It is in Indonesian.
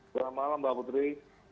selamat malam mbak putri